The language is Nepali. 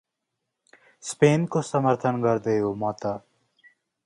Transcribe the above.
स्पेनको समर्थन गर्दै हो म त ।